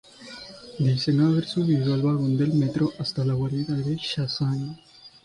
Dicen haber subido al vagón del metro hasta la guarida de Shazam.